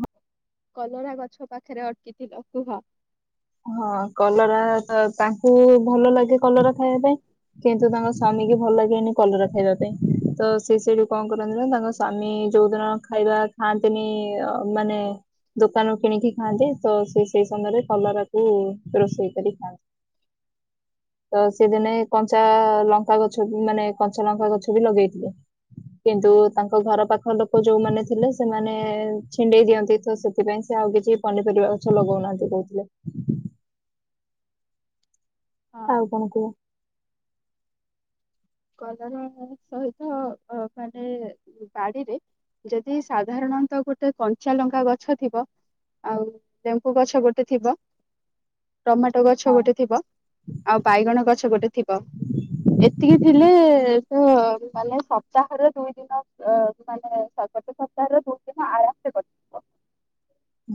ହଁ କଲରା ଗଛ ପାଖରେ ଅଟକିଥିଲ କୁହ? ହଁ କଲରା ତ ତାଙ୍କୁ ଭଲ ଲାଗେ କଲରା ଖାଇବା ପାଇଁ। କିନ୍ତୁ ତାଙ୍କ ସ୍ଵାମୀ କି ଭଲ ଲାଗେନି କଲରା ଖାଇବା ପାଇଁ। ତ ସିଏ ସେଠୁ କଣ କରନ୍ତି ନା ତାଙ୍କ ସ୍ଵାମୀ ଯୋଉଦିନ ଖାଇବା ଖାଆନ୍ତିନି ମାନେ ଦୋକାନରୁ କିଣିକି ଖାଆନ୍ତି ତ ସିଏ ସେଇ ସମୟରେ କଲରା କୁ ରୋଷେଇ କରିକି ଖାଆନ୍ତି। ତ ସେଦିନେ କଞ୍ଚା ଲଙ୍କା ଗଛ ବି ମାନେ କଞ୍ଚା ଲଙ୍କା ଗଛ ବି ଲଗେଇଥିଲେ। କିନ୍ତୁ ତାଙ୍କ ଘର ପାଖ ଲୋକ ଯୋଉମାନେ ଥିଲେ ସେମାନେ ଛିଣ୍ଡେଇ ଦିଅନ୍ତି ତ ସେ ସେଥିପାଇଁ ସେ ଆଉ କିଛି ପନିପରିବା ଗଛ ଲଗଉନାହାନ୍ତି କହୁଥିଲେ। ହଁ ଆଉ କଣ କୁହ? କଲରା ସହିତ ଅ ମାନେ ବାଡିରେ ଯଦି ସାଧାରଣତଃ ଗୋଟେ କଞ୍ଚା ଲଙ୍କା ଗଛ ଥିବ। ଆଉ ଲେମ୍ୱୁ ଗଛ ଗୋଟେ ଥିବ। ଟମାଟୋ ଗଛ ହଁ। ଗୋଟେ ଥିବ, ଆଉ ବାଇଗଣ ଗଛ ଗୋଟେ ଥିବ ଏତିକି ଥିଲେ ତ ମାନେ ସପ୍ତାହର ଦୁଇ ମାନେ ସାଗତ ସପ୍ତାହରେ ଦୁଇ ଦିନ ଆରାମସେ କଟିଯିବ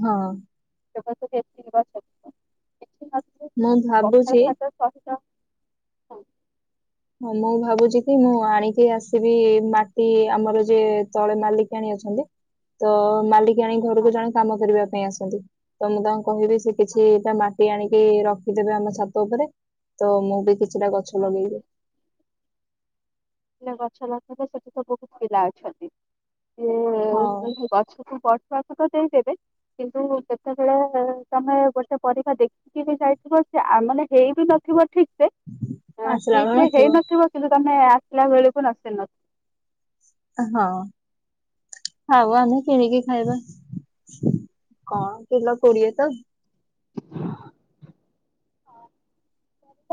ହଁ। [unintelligible] ଥିବ କିଛି ନଥିଲେ ବି ମୁଁ ଭାବୁଚି [unintelligible] ହଁ, ହଁ ମୁଁ ଭାବୁଛି କି ମୁଁ ଆଣିକି ଆସିବି ମାଟି ଆମର ଯିଏ ତଳେ ମାଲିକ ଆଣି ଅଛନ୍ତି। ତ ମାଲିକି ଆଣି ହଁ, ଘରକୁ ଜଣେ କାମ କରିବା ପାଇଁ ଆସନ୍ତି। ତ ମୁଁ ତାଙ୍କୁ କହିବି ସେ ହଁ, କିଛିଟା ମାଟି ଆଣିକି ରଖିଦେବେ ଆମ ଛାତ ଉପରେ। ତ ମୁଁ ବି କିଛିଟା ଗଛ ହଁ। ଲଗେଇବି। ଗଛ ଲତା ବି ସେଠି ତ ବହୁତ ପିଲା ଅଛନ୍ତି ହଁ ମ ଗଛକୁୁ ପ ସ ତ ଦେଇଦେବେ କିନ୍ତୁ କେତେବେଳେ ତମେ ଗୋଟେ ପରିବା ଦେ ଯାଇଥିବ ସେ ଆମାନେ ହେଇ ବି ନଥିବ ଠିକ ସେ ଆସିଲା ବେଳେ ଠିକ ରେ ନଥିବ ହେଇନଥିବ କିନ୍ତୁ ତମେ ଆସିଲା ବେଳକୁ ନସି ନ ହଁ। ହଉ ଆମେ କିଣିକି ଖାଇବା କଣ କିଲ କୋଡିଏ ତ।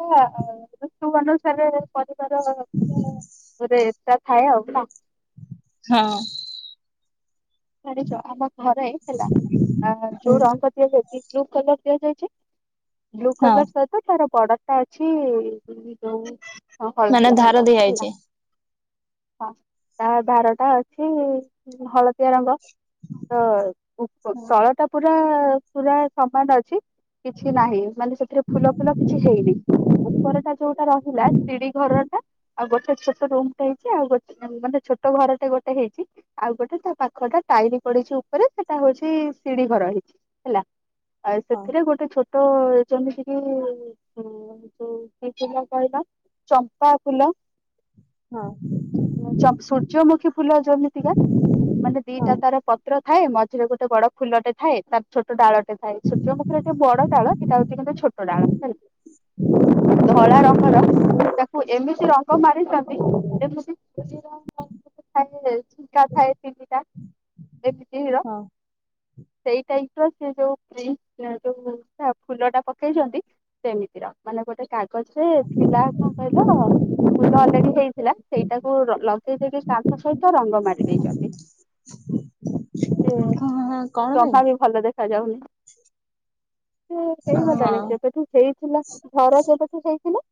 ଋତୁ ଅନୁସାରେ ପରିବାର [unintelligible] ଥାଏ ଆଉ ନା। ହଁ। ଜାଣିଛ ଆମ ଘରେ ହେଲା ଆ ହୁଁ ଯୋଉ ରଙ୍ଗ ଦିଆ ଯାଇଚି। ବ୍ଲ କଲର ଦିଆ ଯାଇଛି ବ୍ଲୁ ହଁ କଲର ସ ତାର ବଡରଟା ଅଛି ଯୋଉ ମାନେ ହଳଦିଆ ଧାର ରଙ୍ଗ ଦିଆଯାଇଛି ହେଲା। ହଁ ତା ବାର ଟା ଅଛି ହଳଦିଆ ରଙ୍ଗ। ତ ହଁ ତଳ ଟା ପୁରା ପୁରା ସମାନ ଅଛି। କିଛି ନାହିଁ ମାନେ ସେଥିରେ ଫୁଲ ଫୁଲ କିଛି ହେଇନି। ଉପରଟା ଯୋଉଟା ରହିଲା ଶିଡି ଘର ଟା ଆଉ ଗୋଟେ ଛୋଟ ରୁମ ଟେ ହେଇଛି ଆଉ ଗ ମାନେ ଛୋଟ ଘରଟେ ଗୋଟେ ହେଇଛି ଆଉ ଗୋଟେ ତା ପାଖ ଟା ଟାଇଲି ପଡିଛି ଉପରେ ସେଟା ହଉଛି ସିଡିି ଘର ହେଇଛି ହେଲା। ଆଉ ହଁ ସେଥିରେ ଗୋଟେ ଛୋଟ ଯେମିତି କି ଯୋଉ କି ଫୁଲ କହିଲ ଚମ୍ପା ଫୁଲ ହଁ ଚ ସୂର୍ଯ୍ୟମୁଖୀ ଫୁଲ ଯେମିତିକା ମାନେ ହଁ ଦିଟା ତାର ପତ୍ର ଥାଏ ମଝିରେ ଗୋଟେ ବଡ ଫୁଲଟେ ଥାଏ ତାର ଛୋଟ ଡାଳ ଟେ ଥାଏ, ସୂର୍ଯ୍ୟ ମୁଖିର ଟିକେ ବଡ ଡ଼ାଳ ସେଇଟା ହଉଛି କିନ୍ତୁ ଛୋଟ ଡାଳ ହେଲା। [inaudible] ଧଳା ରଙ୍ଗର ତାକୁ ଏମିତି ରଙ୍ଗ ମାରିଛନ୍ତି ଯେ ମିତି [unintelligible] ଥାଏ ଝିଙ୍କା ଥାଏ ତିନିଟା ଏମିତି ହଁ। ସେଇ ଟାଇପ ର ସେ ଯୋଉ ପ୍ରିଣ୍ଟ ଯୋଉ ଫୁଲ ଟା ପକେଇଛନ୍ତି। ସେମିତିର ମାନେ ଗୋଟେ କାଗଜରେ ଥିଲା କଣ କହିଲ ଫୁଲ ଅଲରେଡି ହେଇଥିଲା ସେଇଟାକୁ ଲଗେଇ ଦେଇକି କାନ୍ଥ ସହିତ ରଙ୍ଗ ମାରି ଦେଇଛନ୍ତି। ସେ ହଁ କଣ ପାଇଁ ଜମା ବି ଭଲ ଦେଖା ଯାଉନି। ସେ ହେଇଗଲାଣି ହଁ ଯେବେଠୁ ହେଇଥିଲା ଘର ଯେବେଠୁ ହେଇଥିଲା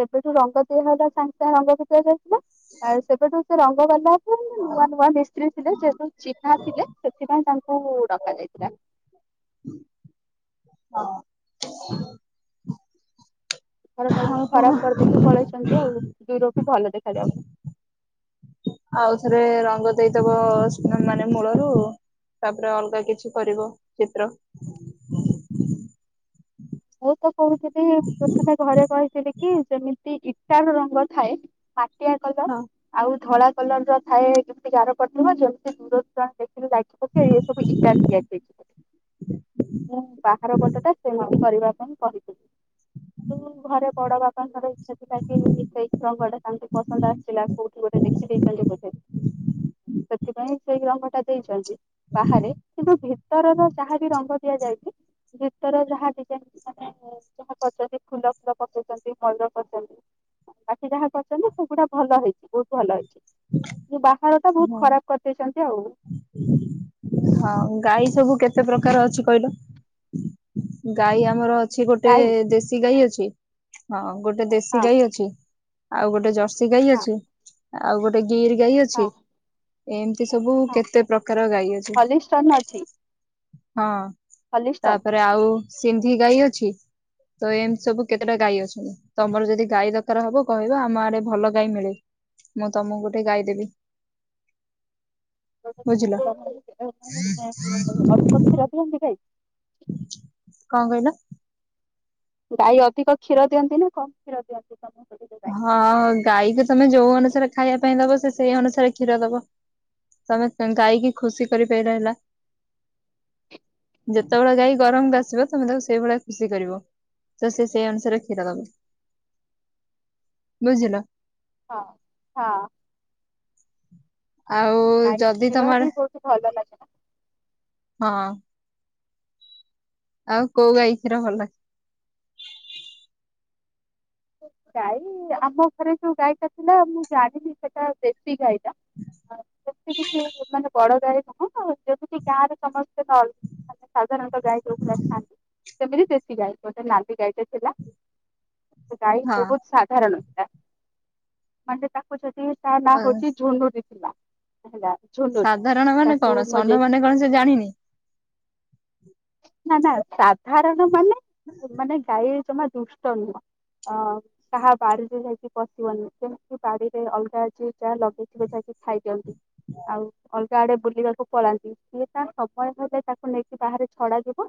ସେବେଠୁ ରଙ୍ଗ ଦିଆ ହେଲା ସାଙ୍ଗେ ସାଙ୍ଗେ ରଙ୍ଗ ଭିତରେ। ସେବେଠୁ ସେ ରଙ୍ଗ ବାଲା [unintelligible] ନୂଆ ନୂଆ ମି [unintelligible] ଥିଲେ ଯେହେତୁ ଚିନ୍ହା ଥିଲେ ସେଥିପାଇଁ ତାଙ୍କୁ ଡକା ଯାଇଥିଲା। ହଁ। ଘରଟାକୁ ଆଉ କଣ ଖରାପ କରିଦେଇକି ପଳେଇଛନ୍ତି ଆଉ ଦୂରକୁ ଭଲ ଦେଖାଯାଉନି। ଆଉ ଥରେ ରଙ୍ଗ ଦେଇଦବ [unintelligible] ମାନେ ମୂଳରୁ ତାପରେ ଅଲଗା କିଛି କରିବ ଚିତ୍ର। ମୁଁ ତ କହୁଥିଲି ପ୍ରଥମେ ଘରେ କହିଥିଲି କି ଯେମିତି ଇଟାର ରଙ୍ଗ ଥାଏ ମାଟିଆ କଲର ହଁ ଆଉ ଧଳା କଲରର ଥାଏ ଯେମତି ଗାର ପଡିଥିବ ଯେମତି ଦୂର ର ଦେଖିଲେ ଲାଗିବକି ଇଏ ସବୁ ଇଟାରେ ତିଆରି ହେଇଚି ମୁଁ ବାହାର ପଟଟା ସେମି ତି କରିବା ପାଇଁ କହିଥିଲି। ହ [inaudible] [unintelligible] ଘରେ ବଡ ବାପାଙ୍କର ଇଚ୍ଛା ଥିଲା କି ସେଇ [unintelligible] ସେମିତି ପସନ୍ଦ ଆସିଲା କୋଉଠି ଗୋଟେ ଦେଖ ସେ ଦେଇଛନ୍ତି ବୋଧେ ସେଥିପାଇଁ ସେଇ ରଙ୍ଗଟା ଦେଇଛନ୍ତି ବାହାରେ କିନ୍ତୁ ଭିତରର ଯାହା ବି ରଙ୍ଗ ଦିଆଯାଇଛି ଭିତର ଯାହାବି [unintelligible] ମାନେ ଯାହା କରଛନ୍ତି ଫୁଲ ଫୁଲ ପକେଇଛନ୍ତି ମୟୂର କରିଛନ୍ତି। ବାକି ଯାହା କରିଛନ୍ତି ସେଗୁଡା ଭଲ ହେଇଛି ବହୁତ ଭଲ ହେଇଛି। ଯୋଉ ବାହାରଟା ହଁ ବହୁତ ଖରାପ କରିଦେଇଛନ୍ତି ଆଉ। ହଁ ଗାଈ ସବୁ କେତେ ପ୍ରକାର ଅଛି କଇଲ? ଗାଈ ଆମର ଅଛି ଗୋଟେ ଗାଈ ଦେଶୀ ଗାଈ ଅଛି ହଁ ଗୋଟେ ଦେଶୀ ହଁ ଗାଈ ଅଛି ଆଉ ଗୋଟେ ଜର୍ଶୀ [unintelligible] ଗାଈ ହଁ ଅଛି ଆଉ ଗୋଟେ ଗିର୍ ଗଈ ହଁ ଅଛି। ଏମତି ସବୁ ହଁ କେତେ ପ୍ରକାର ଗାଈ ଅଛି ହଲିଷ୍ଟନ ଅଛି ହଁ। ହଲିଷ୍ଟନ ତାପରେ ଆଉ ସିନ୍ଧି ଗାଈ ଅଛି ତ ଏମତି ସବୁ କେତେଟା ଗାଈ ଅଛନ୍ତି। ତମର ଯଦି ଗାଈ ଦରକାର ହବ କହିବା ଆମ ଆଡେ ଭଲ ଗାଈ ମିଳେ ମୁଁ ତମକୁ ଗୋଟେ ଗାଈ ଦେବି। ବୁଝିଲ? ଅଧିକ [unintelligible] କଣ କଇଲ? ଗାଈ ଅଧିକ କ୍ଷୀର ଦିଅନ୍ତି ନା କଣ? [unintelligible] ହଁ ଗାଈକୁ ତମେ ଯୋଉ ଅନୁସାରେ ଖାଇଆ ପାଇଁ ଦବ ସେ ସେଇ ଅନୁସାରେ କ୍ଷୀର ଦବ। ତମେ ଗାଈକି ଖୁସି କରିପାରିଲେ ହେଲା। ଯେତେବେଳେ ଗାଈ ଗରମକୁ ଆସିବ ତମେ ତାକୁ ସେଇଭଳିଆ ଖୁସି କରିବ। ତ ସେ ସେଇ ଅନୁସାରେ କ୍ଷୀର ଦବ। ବୁଝିଲ? ହଁ ହଁ। ଆଉ ଗାଈ ଯଦି କ୍ଷୀର ତମ ବି ଆଡେ ବହୁତ ଭଲ ଲାଗେ ନା। ହଁ ଆଉ କୋଉ ଗାଈ କ୍ଷୀର ଭଲ? ଗାଈ ଆମ ଘରେ ଯୋଉ ଗାଈଟା ଥିଲା ମୁଁ ଜାଣିନି ସେଟା ଦେଶୀ ଗାଈଟା। ସେମତି କିଛି ମାନେ ବଡ ଗାଈ ନୁହଁ ଆ ଯେମିତି ଗାଁ ରେ ସମସ୍ତେ ମାନେ ସାଧାରତଃ ଗାଈ ଯୋଉ ଭଳିଆ ଆସିଥାନ୍ତି ସେମିତି ଦେଶୀ ଗାଈ ଗୋଟେ ନାଲି ଗାଈଟେ ଥିଲା। ସେ ଗାଈ ବହୁତ ସାଧାରଣ ଥିଲା। ମାନେ ତାକୁ ଯଦି ତା ନା ହଁ ହଉଛି ଝୁନୁରି ଥିଲା। ହେଲା ଝୁନୁୁର ତାକୁ ମୋ ଜେ ଏ କଣ ସେ ଜାଣିନି? ନା ନା ସାଧାରଣ ମାନେ ମାନେ ଗାଈ ଜମା ଦୁଷ୍ଟ ନୁହଁ। ହଁ। ସାହା ବାଡିରେ ଯାଇକି ପଶିବନି ଯେମିତି ବାଡିରେ ଅଲଗା ଯିଏ ଯାହା ଲଗେଇଥିବେ ଯାଇକି ଖାଇ ଦିଅନ୍ତି। ଆଉ ଅଲଗା ଆଡେ ବୁଲିବାକୁ ପଳାନ୍ତି ସିଏ ତା ସମୟ ହେଲେ ତାକୁ ନେଇକି ବାହାରେ ଛଡା ଯି ବ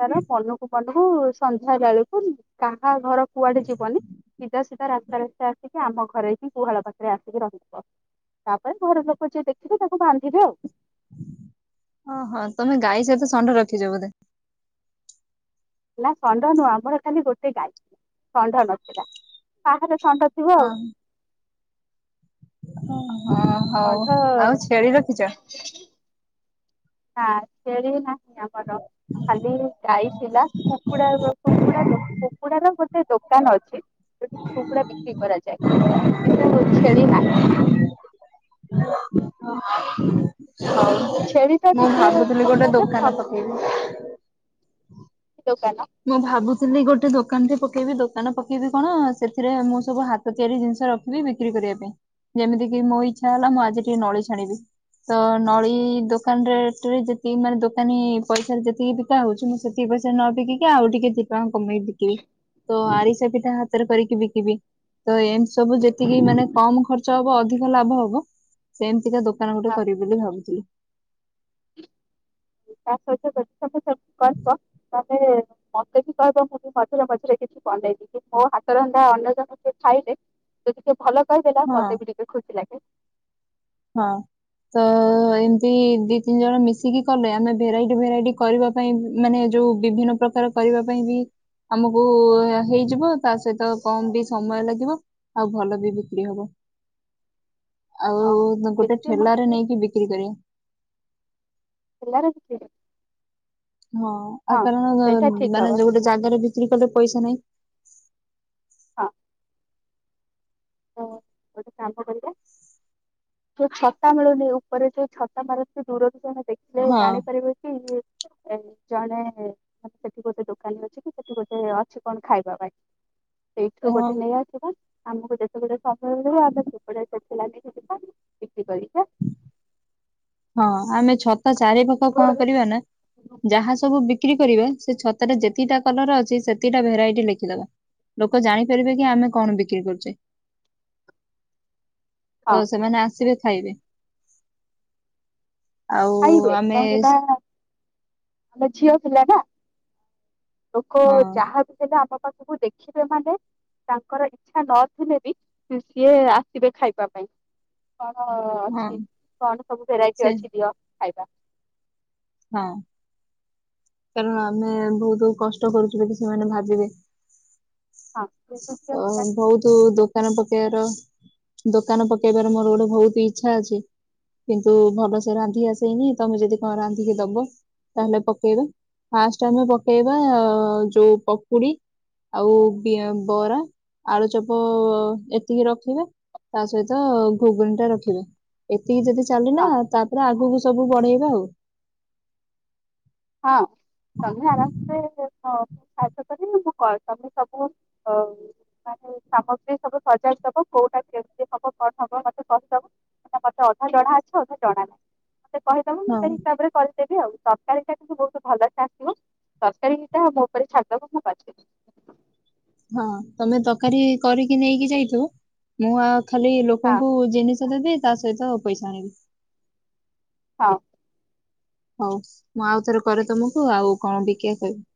ତାର ମନକୁ ମନକୁ ସନ୍ଧ୍ୟା ବେଳକୁ କାହା ଘର କୁଆଡେ ଯିବନି ସିଧା ସିଧା ରାସ୍ତା ରାସ୍ତା ଆସିକି ଆମ ଘରେ ହିଁ ଗୁହାଳ ପାଖରେ ଆସିକି ରହିଥିବ। ତାପରେ ଘର ଲୋକ ଯିଏ ଦେଖିବେ ତାଙ୍କୁ ବାନ୍ଧିବେ ଆଉ। ଓହୋ ତମେ ଗାଈ ସହିତ ଷଣ୍ଢ ରଖିଚ ବୋଧେ। ନା ଷଣ୍ଢ ନୁହଁ ଆମର ଖାଲି ଗୋଟେ ଗାଈ ଷଣ୍ଢ ନଥିଲା କାହାର ଷଣ୍ଢ ଥିବ ହଁ ଆଉ। ଓ ହଁ ଆଉ ହଉ ଷଣ୍ଢ ଆଉ ଛେଳି ରଖିଚ। ହଁ ଛେଳି ନା ଆମର ଖାଲି ଗାଈ ଥିଲା କୁକୁଡା ର କୁକୁଡାର ଦ କୁକୁଡା ର ଗୋଟେ ଦୋକାନ ଅଛି ଯୋଉଠି କୁକୁଡା ବିକ୍ରି କରାଯାଏ କିନ୍ତୁ ଛେଳି ନାହିଁ। [inaudible] [inaudible] ଛେଳି ଟା ମୁଁ ଟିକେ ଭାବୁଥିଲି ଗୋଟେ କଣ କହିଲ ଦୋକାନ ପକେଇବି। ଦୋକାନ। ମୁଁ ଭାବୁଥିଲି ଗୋଟେ ଦୋକାନ ଟେ ପକେଇବି ଦୋକାନ ପକେଇବି କଣ ସେଥିରେ ମୁଁ ସବୁ ହା ହାତ ତିଆରି ଜିନିଷ ରଖିବି ବିକ୍ରି କରିବା ପାଇଁ ଯେମିତି କିି ମୋ ଇଚ୍ଛା ହେଲା ମୁଁ ଆଜି ଟିକେ ନଳି ଛାଣିବି। ତ ନଳି ଦୋକାନ ରେ ଟ୍ରେ ଯେତିକି ମାନେ ଦୋକାନୀ ପଇସା ଯେତିକିରେ ବି ତା ହଉଛି ମୁଁ ସେତିକି ପଇସା ରେ ନ ବିକି କି ତା ଆଉ ଟିକେ ଦି ପଇସା କମେଇକି ବିକିବି ତ ଆରିସ ପିଠା ହାତରେ କରିକି ବିକିବି। ତ ଏମିତି ସବୁ ଯେତିକି ମାନେ କମ ଖର୍ଚ୍ଚ ହବ ଅଧିକ ଲାଭ ହବ ସେମିତିକା ଦୋକାନ ଗୋଟେ କରିବି ବୋଲି ଭାବୁଥିଲି। ତା ସହିତ ଯଦି ତମେ ସବୁ କରଚ ତମେ ମତେ ବି କହିବ ମୁଁ ବି ମଝିରେ ମଝିରେ କିଛି ବନେଇନି କି ମୋ ହାତର ରନ୍ଧା ଅନ୍ୟ ଜଣେ କିଏ ଖାଇଲେ ଯଦି ଟିକେ ଭଲ କହିଦେଲ ହଁ ମତେ ବି ଟିକେ ଖୁସି ଲାଗେ। ହଁ ତ ଏମତି ଦି ତିନି ଜଣ ମିଶିକି କଲେ ଆମେ ଭେରାଇଟି ଭେରାଇଟି କରିବା ପାଇଁ ମାନେ ଯୋଉ ବିଭିନ୍ନ ପ୍ରକାର କରିବା ପାଇଁ ବି ଆମକୁ ହେଇଯିବ ତା ସହିତ କମ ବି ସମୟ ଲାଗିବ ଆଉ ଭଲ ବି ବିକ୍ରି ହବ। ଆଉ ହଁ ଗୋଟେ ବେଶୀ ଠେଲାରେ ମତେ ନେଇକି ବିକ୍ରି କରିବା। ଠେଲାରେ ବିକିବେ। ହଁ ଆଉ କାରଣ ସେଇଟା ଠିକ ମାନେ ହବ। ଯୋଉ ଗୋଟେ ଜାଗାରେ ବିକ୍ରି କଲେ ପଇସା ନାହିଁ। ହଁ। ତ ଗୋଟେ କାମ କରିବା ଯୋଉ ଛତା ମିଳୁନି ଉପରେ ଯୋଉ ଛତା ମାରନ୍ତି ଦୂରରୁ ଜଣେ ଦେଖିଲେ ହଁ ଜାଣିପାରିବେ କି ଏ ଜଣେ ମାନେ ସେଠି ଗୋଟେ ଦୋକାନୀ ଅଛି କି ସେଠି ଗୋଟେ ଅଛି କଣ ଖାଇବା ପାଇଁ। ସେଇଠୁ ହଁ ଗୋଟେ ନେଇଆସିବୁ ଆମକୁ ଦେ [unintelligible] ହଁ ଆମେ ଛତା ଚାରି ପାଖ କଣ କରିବା ନା ଯାହା ସବୁ ବିକ୍ରି କରିବା ସେ ଛତା ରେ ଯେତିକିଟା କଲର ଅଛି ସେତିକିଟା ଭେରାଇଟି ଲେଖିଦବା। ଲୋକ ଜାଣିପାରିବେ କି ଆମେ କଣ ବିକ୍ରି କରୁଚେ। ତ ହଁ ସେମାନେ ଆସିବେ ଖାଇବେ। ଆଉ ଖାଇବେ ଆମେ କାହିଁକି ନା ଆମେ ଝିଅ ଥିଲା ନା ଲୋକ ହଁ ଯାହା ବି ଥିଲା ଆମ ପାଖକୁ ଦେଖ ଶିବ ମାନେ ତାଙ୍କର ଇଚ୍ଛା ନଥିଲେ ବି ସିଏ ଆସିବେ ଖାଇବା ପାଇଁ। କଣ ହଁ ଅଛି କଣ ସବୁ ଭେରାଇଟି ସେ ଅଛି ଦିଅ ଖାଇବା। ହଁ। କାରଣ ଆମେ ବହୁତ କଷ୍ଟ କରୁଛୁ ବୋଲି ସେମାନେ ଭାବିବେ। ହଁ ଅ ବହୁତ ଦୋକାନ ପକେଇବାର ଦୋକାନ ପକେଇବାରେ ମୋର ଗୋଟେ ବହୁତ ଇଚ୍ଛା ଅଛି। କିନ୍ତୁ ଭଲସେ ରାନ୍ଧି ଆସେଇନି ତମେ ଯଦି କଣ ରାନ୍ଧିକି ଦବ। ତାହେଲେ ପକେଇବା ଫାଷ୍ଟ ଆମେ ପକେଇବା ଯୋଉ ପକୁଡି ଆଉ ବି ବରା ଆଳୁଚପ ଏତିକି ରଖିବା। ତା ସହିତ ଘୁଗୁନି ଟା ରଖିବା। ଏତିକି ଯଦି ଚାଲିଲ ହଁ ତାପରେ ଆଗକୁ ସବୁ ବଢେଇବା ଆଉ। ହଁ ସନ୍ଧ୍ୟା ରାସ୍ତେ [unintelligible] ଚାଷ କର ମୁଁ କଣ ତମେ ସବୁ ଅ ମାନେ ସାମଗ୍ରୀ ସବୁ ସଜାଇ ଦବ କୋଉଟା କେମିତି ହବ କଣ ହବ ମତେ କହିଦବ। ତେ ଅଧା ଜଢା ଅଛ ଅଧା ଜଡା ନାହିଁ ମତେ କହିଦବ ମୁଁ ହଁ ସେଇ ହିସାବରେ କରିଦେବି ଆଉ ତରକାରୀ କିନ୍ତୁ ବହୁତ ଭଲ ଚାସିବ ତରକାରୀଟ ମୋ ଉପରେ ଛାତକୁ ମୁଁ ପାଛି। ହଁ ତମେ ତରକାରୀ କରିକି ନେଇକି ଯାଇଥିବ ମୁଁ ଆଉ। ଖାଲି ହଁ ଲୋକଙ୍କୁ ଜିନିଷ ଦେବି ତା ସହିତ ପଇସା ଆଣିବି। ହଁ। ହଉ ମୁଁ ଆଉ ଥରେ କରେ ତମକୁ ଆଉ କଣ ବିକିଆ କହିବି।